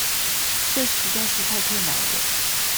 這實在是太困難了